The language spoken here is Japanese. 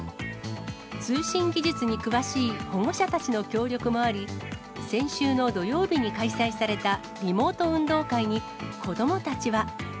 通信技術に詳しい保護者たちの協力もあり、先週の土曜日に開催されたリモート運動会に、子どもたちは。